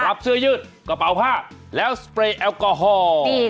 เสื้อยืดกระเป๋าผ้าแล้วสเปรย์แอลกอฮอล์